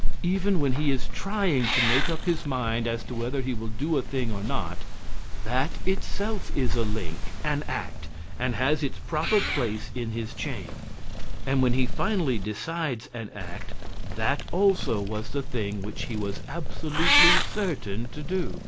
Even when he is trying to make up his mind as to whether he will do a thing or not, that itself is a link, an act, and has its proper place in his chain; and when he finally decides an act, that also was the thing which he was absolutely certain to do.